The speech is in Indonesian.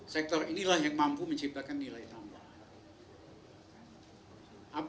sektor inilah yang mampu menciptakan nilai tambah